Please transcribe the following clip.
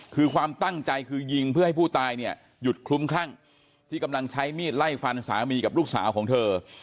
คือความตั้งใจคือยิงเพื่อให้ผู้ตายเนี่ยหยุดคลุ้มคลั่งที่กำลังใช้มีดไล่ฟันสามีกับลูกสาวของเธอ